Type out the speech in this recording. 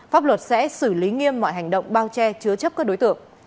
pháp luật sẽ xử lý nghiêm mọi hành động bao che chứa chấp các đối tượng